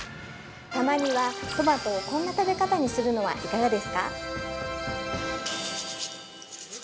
たまには、トマトをこんな食べ方にするのはいかがですか？